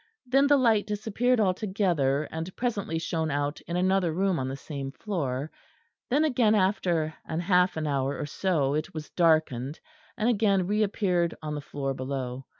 Then the light disappeared altogether; and presently shone out in another room on the same floor; then again after an half an hour or so it was darkened; and again reappeared on the floor below.